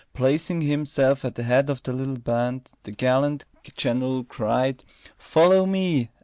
Placing himself at the head of the little band, the gallant general cried: "Follow me!"